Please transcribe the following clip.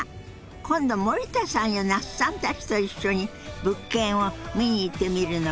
今度森田さんや那須さんたちと一緒に物件を見に行ってみるのはどう？